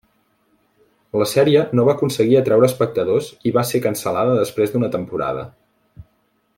La sèrie no va aconseguir atreure espectadors i va ser cancel·lada després d'una temporada.